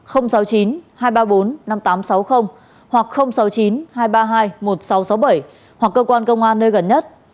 hoặc sáu mươi chín hai trăm ba mươi hai một nghìn sáu trăm sáu mươi bảy hoặc cơ quan công an nơi gần nhất